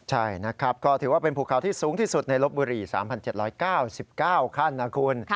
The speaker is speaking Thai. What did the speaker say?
ใช่นะครับก็ถือว่าเป็นภูเขาที่สูงที่สุดในลบบุรี๓๗๙๙ขั้นนะคุณ